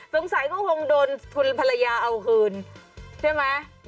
สงสัยก็คงโดนคุณภรรยาเอาคืนใช่ไหม